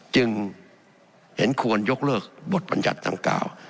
จึงเห็นควรยกเลิกบทบัญญัติดังกล่าว